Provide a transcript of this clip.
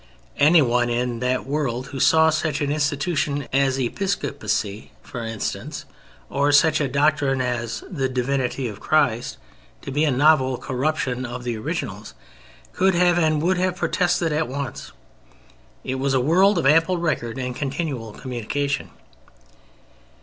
Anyone in that world who saw such an institution as Episcopacy (for instance) or such a doctrine as the Divinity of Christ to be a novel corruption of originals could have, and would have, protested at once. It was a world of ample record and continual communication.